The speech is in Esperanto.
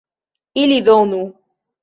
ili donu.